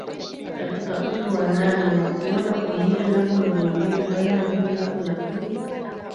katika utu wa ndani na ukiona umbile lako ni geugeu panda juu yako Lakini